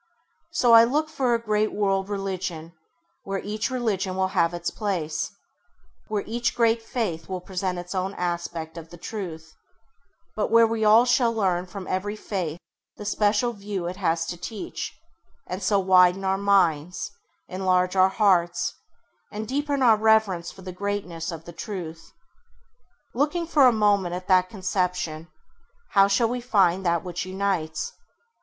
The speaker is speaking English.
So I look for a great World Religion where each religion will have its place, where each great faith will present its own aspect of the truth; but where we all [Page 9] shall learn from every faith the special view it has to teach, and so widen our minds, enlarge our hearts, and deepen our reverence for the greatness of the truth. Looking for a moment at that conception, how shall we find that which unites